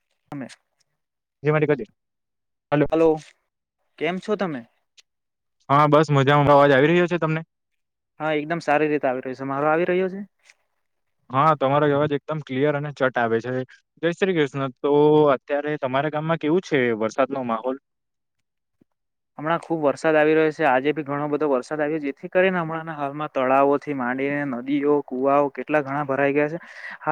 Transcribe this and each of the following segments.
[unintelligible] જેમાંરી ક હલો કેમ છો તમે. હા બસ મજામાંબા અવાજ આવી રહ્યો છે તમને હા એકદમ સારી રીતે આવી રહ્યું છે મારો આવી રહ્યો છે હા તમારો અવાજ એકદમ ક્લિયર અને ચટ આવે છે જય શ્રી કૃષ્ણ તો અત્યારે તમારે તમારા ગામમાં કેવું છે વરસાદ નો માહોલ [inaudible] હમણાં ખુબ વરસાદ આવી રહ્યો છે આજે ભી ઘણો બધો વરસાદ આવ્યો જેથી કરીને હમણાં હાલમાં તળાવો થી માંડી અને નદીઓ કુવા કેટલા ઘણા ભરાઈ ગયા છે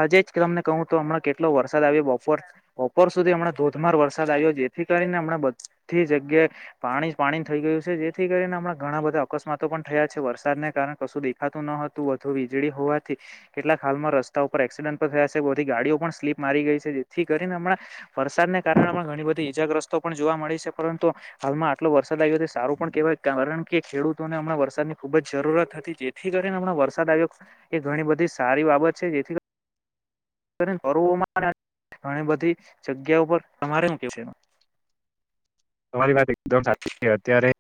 આજે જ તમને કહું તો હમણાં કેટલો વરસાદ આવી બપોર બપોર સુધી હમણા ધોધમાર વરસાદ આવ્યો જેથી કરીને હમણા બધી જગ્યા એ પાણી પાણી થઈ ગયું છે જેથી કરીને હણા ઘણા બધા અકસ્માતો પણ થયા છે વરસાદને કારણે કશું દેખાતું ન વધુ વીજળી હોવાથી કેટલાક હાલમાં રસ્તા ઉપ એક્સિડન્ટ થયા છેથી ગાડીઓ પણ સ્લીપ મારી ગઈ જેથી કરીને હમણાં વરસાદને કારણે ઘણી બધી ઈજાગ્રસ્તો પણ જોવા મળી છે પરંતુ હાલમાં આટલો વરસાદ આવ્યો હતો સારું પણ કેહેવાય કારણ કે ખેડૂતોને હમણાં વરસાદની ખુબ જરૂરત હતી જેથી કરીને હમણાં વરસાદ આવ્યો એ ઘણી બધી સારી બાબત છે જેથી કરી [unintelligible] ઘણી બધી જગ્યાઓ પર તમારે મુકે છે એ [inaudible] તમારી વાત એકદમ સાચી છે અત્યારે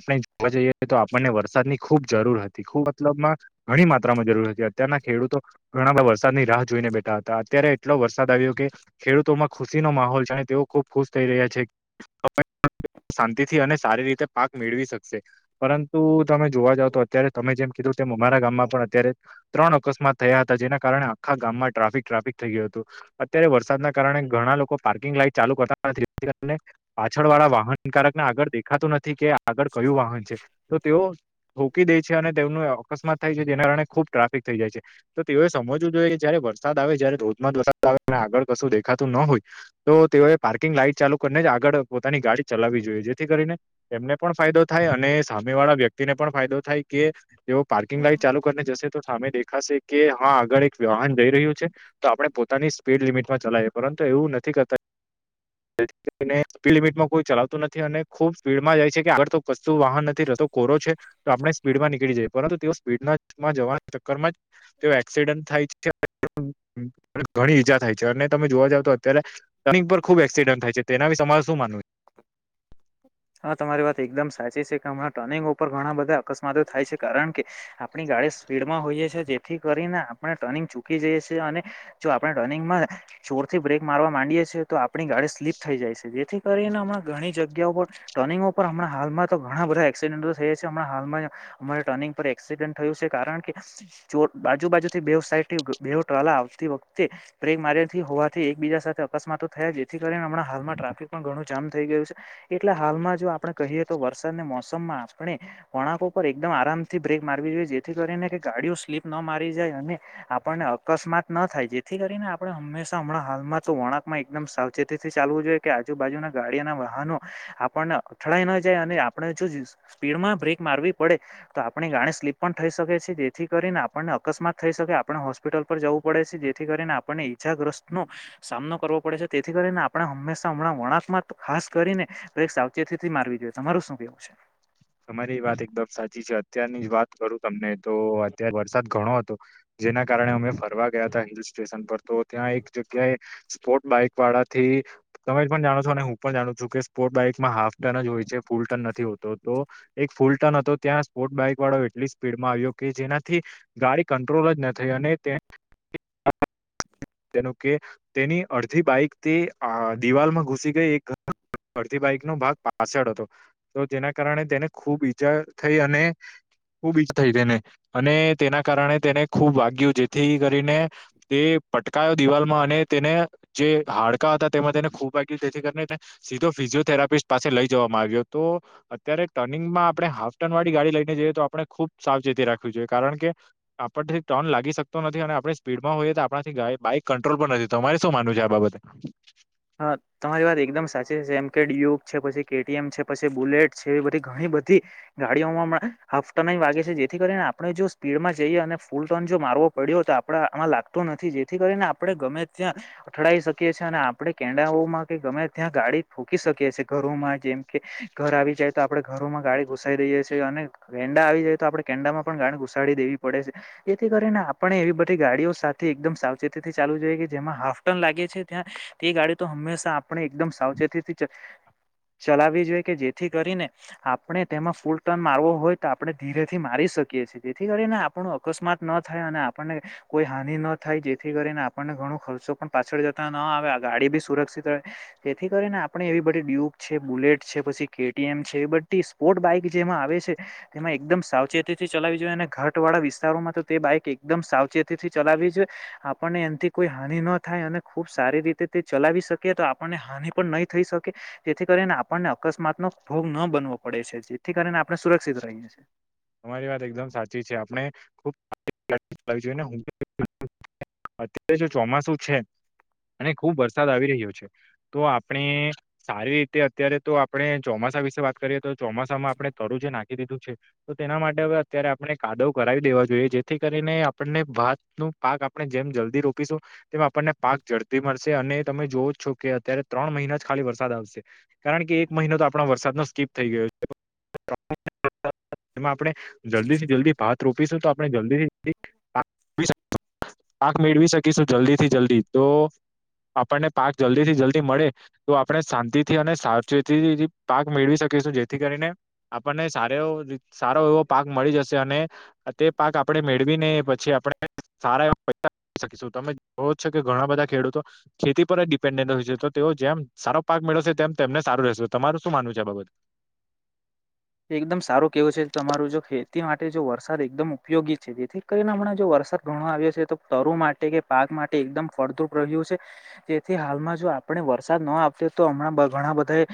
આપણે જોવા જઈએ તો આપણને વરસાદ ની ખુબ જરૂર હતી ખુબ મતલબમાં ઘણી માત્રામાં જરૂર હતી અત્યારના ખેડૂતો ઘણા બધા વરસાદની રાહ જોઈને બેઠા હતા ્અત્યારે એટલો વરસાદ આવ્યો કે ખેડૂતોમાં ખુશીનો માહોલ છે અને તેઓ ખુબ ખુશ થઈ રહ્યા છે [inaudible] શાંતિથી અને સારી રીતે પાક મેળવી શકશે પરંતુ તમે જોવા જાવ તો અત્યારે તમે જેમ કીધું સેમ અમારા ગામમાં પણ અત્યારે ત્રણ અકસ્માત થયા હતા જેના કારણે આખા ગામમાં ટ્રાફિક ટ્રાફિક થઈ ગયું હતું અત્યારે વરસાદના કારણે ઘણા લોકો પાર્કિંગ લાઈટ ચાલુ કરતા નથી જેથી કરીને પાછળ વાળા વાહનની કારક ને આગળ દેખાતું નથી કે આગળ કયું વાહન છે તો તેઓ રોકી દે છે અને તેમનું અકસ્માત થાય છે જેના કારણે ખુબ ટ્રાફિક થઈ જાય છે તો તેઓએ સમજવું જોઈએ જયારે વરસાદ આવે જયારે ધોધમાર જ વરસાદ આવે આગળ કશું દેખાતું ન હોય તો તેઓ પાર્કિંગ લાાઈટ ચાલુ કરીને જ આગળ આગળ પોતાની ગાડી ચલાવી જોઈએ જેથી કરીને એમને પણ ફાયદો થાય અને સામે વાળા વ્યક્તિને પણ ફાયદો થ થાય કે જેઓ પાર્કિંગ લાઈટ ચાલુ કરીને જશે તો સામેે દે ખાસ કે હા આગળ એક વાહન જઈ રહ્યું છે તો આપણે પોતાની સ્પીડ લિમિટમાં ચલાવીએ પરંતુ એવું નથી કરતા [inaudible] જેથી કરી ને સ્પીડ લિમિટમાં કોઈ ચલાવતું નથી અને ખુબ સ્પીડમાં જાય છે કે આગ તો કશતું વાહન નથી રેતુ કોરો છે તો આપણે સ્પીડમાં નીકળી જઈએ પરંતુ તેઓ સ્પીડમાં જવાના ચક્કરમાં જ તેઓ એક્સિડન્ટ ઘણી ઈજા થાય છે અને મે જોવાએ જાવ તો અત્યારે રનિંગ પર ખૂબ એ થાય છે તેના વિશે મારે શું માનવું છે હા તમારી વાત એકદમ સાચી છે કે હણાં ટર્નિંગ ઉપર ઘણા બધા અકસ્માતો થાય છે કારણ કે આપણી ગાડી સ્પીડ માં હોઈએ છીએ જેથી કરીને આપણે ટનિંગ ચૂકી જઈએ છીએ અને જો આપણે ટનિંગમાં ચોરથી બ્રેક મારવા માંડીએે છીએ તો આપણી ગાડી સ્લીપ થઈ જાય છે જેથી કરીને હમણાં ઘણી જગ્યા ઉપર ટર્નિંગ ઉપર હમણાં હાલમાં તો ઘણા બધા એક્સિડન્ટો થયા છે હમણા હાલમાં અમારે ટર્નિંગ પર એક્સિડન્ટ થયું છે કારણ કે બાજુ બાજુથી બેવ સાઇડ થી બેવ ટ્રલા આવતી વખતે બ્રેક મારથી હોવાથી એકબીજા સાથે અકસ્માતો થયા જેથી હમણાં હાલમાં ટ્રાફિક પણ ઘણું જામ થઈ ગયું છે એટલા હાલમાં જો આપણે કહીએ તો વરસાદને મોસમમાં આપણે વણાકો પર એકદમ આરામથી બ્રેક મારવી જોઈએ જે જેથી કરીને કે ગાડીઓ સ્લીપ ના મારી જાય અને આપણને અકસ્માત ન થાય જેથી કરીને આપણે હંમેશા હમણાં હાલમાં તો વળકમાં એકદમ સાવચેતી થી ચાલવું જોઈએ કે આજુબાજુના ગાડીના વાહનો આપ પણ અથડાઈ ના જાય અને આપણે જો સ્પીડમાં બ્રેક મારવી પડે તો આપણી ગાડી સ્લીપ પણ થઈ શકે છે જેથી કરીને આપણને અકસ્માત થઈ શકે આપણે હોસ્પિટલ પર જવું પડે છે જેથી કરીને આપણને ઈજ્જાગ્રસ્ત ન સામનો કરવો પડે છે તેથી કરીને આપણે હંમેશા હમણાં વળાકમાં ખાસ કરીને તો એક સાવચેતી થી મારવી જોઈએ તમારું શું કેવું છે તમારી વાત એકદમ સાચી છે અત્યારની જ વાત કરું તમને તો અત્યારે વરસાદ ઘણો હતો જેના કારણે અમે ફરવા ગયા હતા હિલ સ્ટેશન પર તો ત્યાં એક જગ્યાએ સ્પોર્ટ બાઈક વાળા થી તમે પણ જાણો છો અને હું પણ જાણ છું કે સ્પોર્ટ બાઈકમાં હાફ ટન જ હોય છે ફૂલ ટન નથી હોતો તો એક ફૂલ ટર્ન હતો ત્યાં સ્પોર્ટ બાઈક વાળો એટલી સ્પીડમાં આવ્યો કે જેનાથી ગાડી કંટ્રોલ થાય અને [unintelligible] [inaudible] [inaudible] તેનું કે તેની અડધી બાઈકથી અ દિવાલમાં ઘુસી ગઈ એક ફરતી બાઈક નો ભાગ પાછળ હતો તો જેના કારણે તેને ખુબ ઈજા થઈ અને ખૂબ ઇજા થઈ તેને અને તેના કારણે તેને ખૂબ વાગ્યું જેથી કરીને તે પટકાયો દિવાલમાં અને તેને જે હાડ કા હતાં તેમાં તેને ખૂબી જેથી કરીને તેને સીધો ફિઝિયોથેરાપિસ્ટ પાસે લઈ જવામાં આવ્યો તો અત્યારે ટર્નિંગમાં આપણે હાફ ટર્ન વાળી ગાડી લઈને જઈએ તો આપણે ખુબ સાવચેતી રાખવી જોઈએ કારણ કે આપથી ટર્ન લાગી શકતો નથી અને આપણે સ્પીડમાં હોઈએ તો આપ આપ બાઈક કંટ્રોલ પર નથી તમારે શું માનવું છે આ બાબતે હા તમારી વાત એકદમ સાચી છે એમ કે ડીુયુક છે પછી કેટીએમ છે પછી બુલેટ છે એ બધી ઘણી બધી ગાડીઓમાં પણ હાફ ટર્ન એ ય વાગે છે જેથી કરીને આપણે જો સ્પીડમાં જઈએ અને ફૂલ ટર્ન જો મારવો પડ્યો તો આપણા માં લાગતો નથી જેથી કરીને આપણે ગમે ત્યાં અથડાઈ શકીએ અને આપ આપણે કેડાઓમાં કે ગમે ત્યાં ગાડી ઠોકી શકીએ છીએ ઘરોમાં જેમ કે ઘર આવી જાય તો આપડે ઘર ઘરો માં ગાડી ઘુસાઈ દઈએ છે અને કેંડા આવી જાય તો આપણે કેંડામાં પણ ગાડી ઘુસાડી દેવી પડે છે એથી કરીને આપણે એવી બધી ગાડીઓ સાથે એકદમ સાવચેતી થી ચાલુ જોઈએ કે જેમાં હાફટર્ન લાગે છે ત્યાં તે ગાડી તો હંમેશા આપણે એકદમ સાવચેતીથી ચલાવી જોય કે જેથી કરીને આપણે તેમાં ફૂલ ટર્ન મારવો હોય તો આપણે ધીરેથી મારી શકીએ છે જેથી કરીને આપણું અકસ્માત ન થાય અને આપણને કોઈ હાનિ ન થાય જેથી કરીને આપણને ઘણું ખર્ચો પણ પાછળ જતા ન આવે ગાડી બી સુરક્ષિત રહે તેથી કરીને આપણેે એવી બધી ડ્યુબ છે બુલેટ છે પછી કેએમ છે એ બધ બધી સ્પોર્ટ બાઈક જેમાં આવે છે તેમાં એકદમ સાવચેતીથી ચલાવી જોઈએ અને ઘાટ વાળા વિસ્તારોમાં તે બાઈક એકદમ સાવચેતીથી ચલાવી છેઈ આપણને એમથી કોઈ હાનિ ન થાય અને ખુબ સારી રીતે તે ચલાવી શકી તો આપણને હાનિ પણ નહી થઈ શકે તેથી કરીને આપણને અકસ્માતનો ભોગ ન બનવો પડે છે જેથી કરીને આપ તમારી વાત એકદમ સાચી છે આપણે ખુબ અત્યારે [inaudible] [unintelligible] જો ચોમાસું છે અને ખુબ વરસાદ આવી રહ્યો છે તો આપણે સારી રીતે અત્યારે તો આપણે ચોમા ચોમાસા વિશે વાત કરીએ તો ચોમાસામાં આપણે તર જે નાખી દીધું છે તો તેના માટે હવે અત્યારે આપણે કાદવ કરાવી દેવા જોઈએ જેથી કરીને આપણને વાત નું પાક આપણે જેમ જલ્દી રોપીશું તેમ આપણને પાક ઝડપી મળશે અને તમે જોવો જ છો કે અત્યારે ત્રણ મહિના જ ખાલી વરસાદ આવશે કારણ કે એક મહિનો તો આપણા વરસાદ નો સ્કીપ થઈ ગયો છે [unintelligible] [inaudible] એમાં આપણે જલ્દી જલ્દી ભાત રો રોપીશું તો આપણે જલ્દી થી જલ્દી [inaudible] પાક મેળવી શકીશું જલ્દી થી જલ્દી તો આપણને પાક જલ્દી થી જલ્દી મળે તો આપણે શાંતિ થી અને સાવચેતી પાક મેળવી શકી શું જેથી કરીને આપણને સારો એવો સારો એવો પાક મળી જશે અને તે પાક આપણેે મેળવી ને પછી આપણે સારા એવા પૈસા [unintelligible] શકીશું તમે જોવો છો કે ઘણા બધા ખેડૂતો ખેતી પર જ ડિપેન્ડન્ટ હોય છે તો તેઓ જેમ સારો પાક મેળવશે તેમ તેમને સારું રહેશે તમારું શું માનવ છે આ બાબત. એકદમ સારું કેવું છે તમારું જો ખેતી માટે જો વરસાદ એકદમ ઉપયોગી છે જેથી કરીને હમણા જોર વર સાદ ઘણો આવ્યો છે તો તરુ માટે કે પાક માટે એકદમ ફળદ્રુપ રહ્યું છે જેથી હાલમાં જો આપણે વરસાદ ન આપતી તો હમણાં ઘણા બધા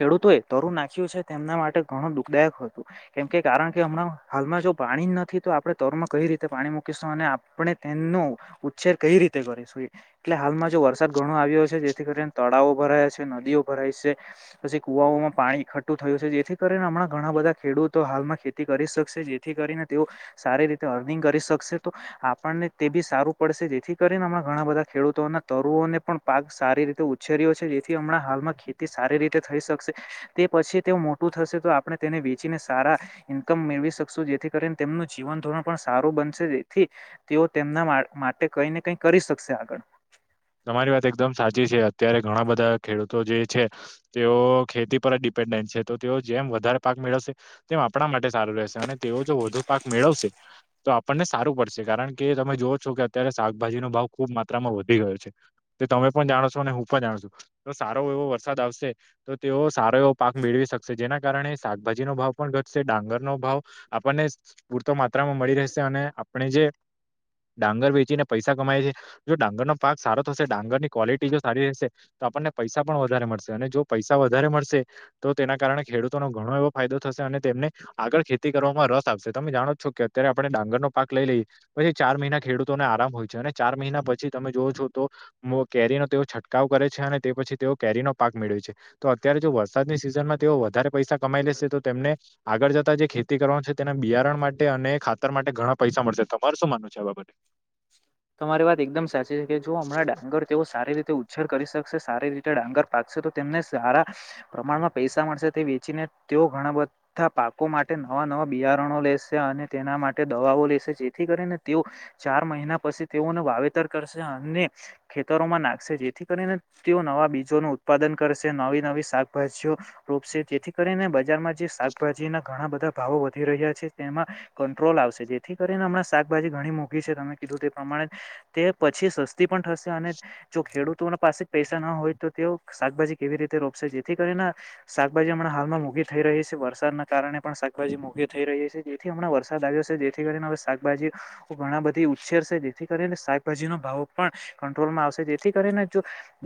ખેડૂતો એ તરું નાખ્યું છે તેમના માટે ઘણું દુઃખદાયક હતું કેમ કે કારણ કે હમણાં હાલમાં જો પાણી નથી તો આપણે તરુ માં કઈ રીતે પાણી મૂ કી શું અને આપણે તેનો ઉછેર કઈ રીતે કરીશું એટલે હાલમાં જો વરસાદ ઘણો આવ્યો છે. જેથી કરીને તળાવો ભરાયા છે, નદીઓ ભરાઈ છે, પછી કુવાઓમાં પાણી એકઠું થયું છે, જેથી કરીને હમણાં ઘણા બધા ખેડૂતો હાલમાં ખેતી કરી શકશે જેથી કરીને તેઓ સારી રીતે અર્નિંગ કરી શ કશે તો આપણને તે બી સારું પડશે જેથી કરીને હમણા ઘણા બધા ખેડૂતોના તરુઓને પણ પાક સારી રીતે ઉછેર્યો છે, જેથી હમણાં હાલમાં ખેતી સારી રીતે થઈ શકશે તે પછી તેઓ મોટું થશે તો આપણે તેને વેચીને સારા ઈનકમ મેળવી શકશું જેથી કરીને તેમનું જીવન ધોરણ પણ સારું બનશે તેથી તેઓ તેમના મા માટે કઈ ને કઈ કરી શકશે આગળ તમારી વાત એકદમ સાચી છે, અત્યારે ઘણા બધા ખેડૂતો જે છે, તેઓ ખેતી પર ડિ પેન્ડન્ટ છે, તો તેઓ જેમ વધારે પાક મેળવશે તેમ આપણા માટે સારું રહેશે અને તેઓ જો વધુ પાક મેળવશે તો આપણને સારું પડશે કારણ કે તમે જોઓ છો કે અત્યારે શાકભાજીનો ભાવ ખુબ માત્રામાં વધી ગયો છે. તે તમે પણ જાણો છો અને હું પણ જાણ છું તો સારો એવો વરસાદ આવશે તો તેઓ સારો એવો પાક મેળવી શકશે જેના કારણે શાકભાજીનો ભાવ પણ ઘટશે ડાંગરનો ભાવ આપણને પૂરતો માત્રામાં મળી રહેશે અને આપણે જે ડાંગર વેચીને પૈસા કમાયે છે, જો ડાંગરનોો પાક સારો થશે ડાંગરની ક્વોલિટી જો સારી રહેશે તો આપણને પૈસા પણ વધારે મળશે અને જો પૈસા વધારે મળશે તો તેના કારણે ખેડૂતોનો ઘણો એવો ફાયદો થશે અને તેમને આગળ ખેતી કરવામાં રસ આપશે તમે જાણો છો કે અત્યારે આપણે ડાંગરનો પાક લઈ લઈએ પછી ચાર મહિના ખેડૂતોને આરામ હોય છે, અને ચાર મહિના પછી તમે જોવો છો તો મો કેરીનો તેઓ છંટકાવ કરે છે, અને તે પછી તેઓ કેરીનો પાક મેળવે છે, તો અત્યારે જો વરસાદની સિઝનમાં તેઓ વધારે પૈસા કમાઈ લેશે તો તેમને આગળ જતા જે ખેતી કરવાનું છે, તેના બિયારણ માટે અને ને ખાતર માટે ઘણા પૈસા મળશે તમાર શું માનવ છે આ બાબતે? તમારી વાત એકદમ સાચી છે, કે જો હમણાં ડાંગર તેઓ સારી રીતે ઉછેર કરી શકશે સારી રીતે ડાંગર પાકશે તો તેમને સારા પ્રમાણમાં પૈસા મળશે તે વેચીને તેઓ ઘણા બધા પાકો માટે નવા નવા બિયારણો લેશે અને તેના માટે દવાઓ લેશે જેથી કરીને તેઓ ચાર મહિના પછી તેઓનું વાવેતર કરશે અને ખેતરોમાં નાખશે જેથી કરીને તેઓ નવા બીજોનું ઉત્પાદન કરશે નવી નવી શાકભાજીઓ રોપશે જેથી કરીને બજારમાં જે શાકભા જીના ઘણા બધા ભાવો વધી રહ્યા છે, તેમાં કંટ્રોલ આવશે જેથી કરીને હણાં શાકભાજી ઘણી મો ધી છે, તમે કીધું તે પ્રમાણે તે પછી સસ્તી પણ થશે અને જો ખેડૂતોના પાસે પૈસા ન હોય ત તેઓ શાકભાજી કેવી રીતે રોપશે જેથી કરીને શાકભાજી હમણાં હાલમાં મોઘી થઈ રહી છે, વરસા દના કારણે પણ શાકભાજી મોઘી થઈ રહી છે, જેથી હમણાં વરસાદ આવ્યો છે, જેથી કરીને હવે શાકભાજી ઘણા બધી ઉછેરશે જેથી કરીને શાકભાજીનો ભાવો પણ કંટ્રોલમાં આવશે જેથી કરીને જો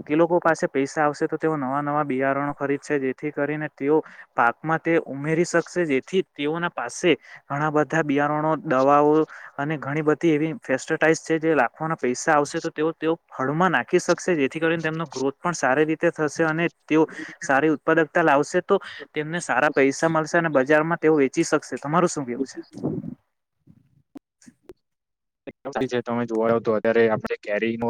એ લોકો પાસે પૈસા આવશે તો તેઓ નવા નવા બિયારણો ખરીદશે જેથી કરીને તેઓ પાકમાં તે ઉમેરી શકશે જેથી તેઓના પાસે ઘણા બધા બિયારણો દવાઓ અને ઘણી બધી એવી ફેસ્ટટાઈઝ છે, જે લખવાના પૈસા આવશે તો તેઓ તેઓ ફળમાં નાખી શકશે જેથી કરીને તેમનો ગ્રોથ પણ સારી રીતે થશે અને તેઓ ધીરે ધીરે સારી ઉત્પાદકતા લાવશે તો તેમને સારા પૈસા મળ શે અને બજારમાં તેઓ વેચી શકશે તમારું શું કેવું છે? તમે જોવા તો અત્યારે આપણે જે કેરીનો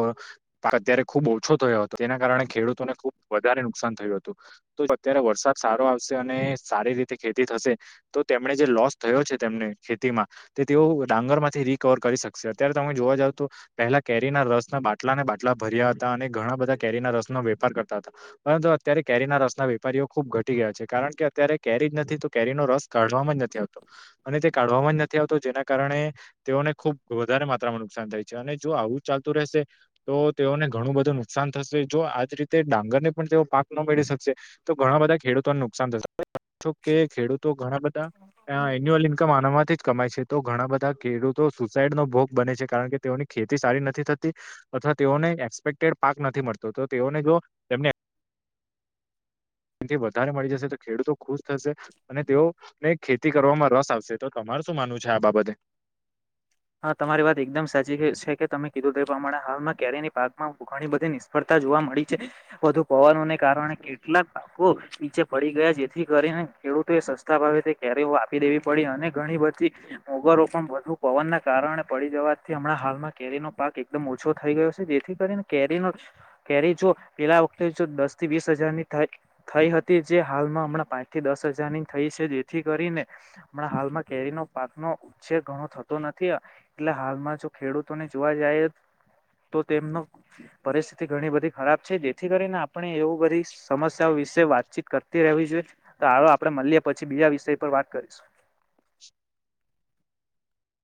પાક અત્યારે ખુબ ઓછો થયો હતો તેના કારણે ખેડૂતોને ખુબ વધારે નુકસાન થયું હતું તો અત્યારે વરસાદ સારો આવશે અને સારી રીતે ખેતી થશે તો તેમણે જે લોસ થયો છે, તેમને ખેતીમાં તે તેઓ ડાંગર માંથી રિકવર કરી શ કસે અત્યારે તમે જોવા જાવ તો પહેલા કેરી ના રસના બાટલા ને બાટલા ભર્યા હતા અને ઘણા બધા કેરીના રસ ન વેપાર કરતા હતા પરંતુ અત્યારે કેરીના રસના વેપારીઓ ખુબ ઘટી ગયા છે, કારણ કે અત્યારે કેરી નથી તો કેરીનો રસ કાઢવાવામાં જ નથી આવતો અને તે કાઢવામાં જ નથી આવતો જેના કારણે તેઓને ખૂબ વધારે માત્રામાં નુકસાન થાય છે, અને જો આવું ચાલતું રહેશે તો તેઓને ઘણું બધું નુકસાન થશે જો આજ રીતે ડાંગરને પણ તેઓ પાક ન મેળવી શકશે તો ઘણા બધા ખેડૂતોને નુકસાન જ [unintelligible] કે ખેડૂતો ઘણા બધા અ એન્યુઅલ ઇન્કમ આના માંથી જ કમાય છે, તો ઘણા બધા ખેડૂતો સૂ સાઈડ નો ભોગ બને છે, કારણ કે તેઓની ખેતી સારી નથી થતી અથવા તેઓને એક્સપેક્ટેડ પાક નથી મળતો તો તેઓને જો તેમને એનથી વધારે મળી જશે તો ખેડૂતો ખુશ થશે અને તેઓ ને ખેતી કરવામાં રસ આવશે તો તમા મારે શું માનવું છે, આ બાબતે? [inaudible] હા તમારી વાત એકદમ સાચી છે કે તમે કીધું તે પ્રમાણે હાલમાં કેરીની પાકમાં ઘણી બધી નિષ્ફળતા જોવા મળી છે વધુ પવનોને કારણે કેટલાક પાકો નીચે પડી ગયા જેથી કરીને ખેડૂતો એ સસ્તા ભાવે તે કેરીઓ આપી દેવી પડી અને ઘણી બધી મોગરો પણ વધુ પવનના કારણે પડી જવાથી હમણાં હાલમાં કેરીનોો પાક એકદમ ઓછો થઈ ગયો છે જેથી કરીને કેરીનો કેરી જો પેલા વખતે જો દસ થી વીસ હજારની થઈ હતી જે હાલમાં હમણાં પાંચ થી દસ સજની થઈ છે જેથી કરીને હમણાં હાલમાં કેરીનો પાક નો ઉછેર ઘણો થતો નથી એટલે હાલમાં જો ખેડૂતોને જોવા જાય તો તેમનો પરિસ્થિતિ ઘણી બધી ખરાબ છે જેથી કરીને આપણે એવું બધી સમસ્યાઓ વિશે વાતચીત કરતી રહેવી જોઈએ તો આવો આપે મળએ પછી બીજા વિષય પર વાત કરીશું [inaudible]